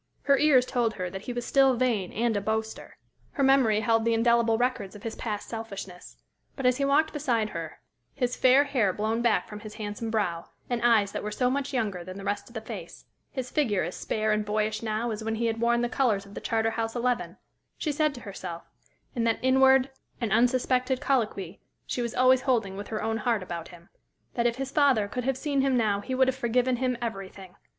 Her ears told her that he was still vain and a boaster; her memory held the indelible records of his past selfishness; but as he walked beside her, his fair hair blown back from his handsome brow, and eyes that were so much younger than the rest of the face, his figure as spare and boyish now as when he had worn the colors of the Charterhouse eleven, she said to herself, in that inward and unsuspected colloquy she was always holding with her own heart about him, that if his father could have seen him now he would have forgiven him everything.